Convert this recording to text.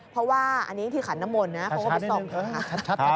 เพราะว่าอันนี้ที่ขันนมนต์เขาก็ไปส่องหา